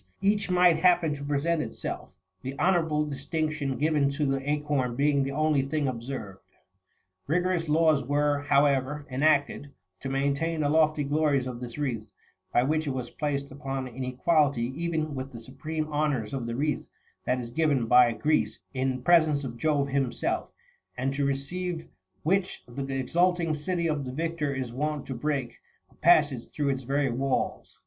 each might happen to present itself, the honourable distinction given to the acorn being the only thing observed. Eigorous laws were, however, enacted, to maintain the lofty glories of this wreath, by which it was placed npon an equality even with the supreme honours of the wreath that is given by Greece in presence of Jove33 himself, and to receive which the exulting city of the victor is wont to break34 a passage through its very walls.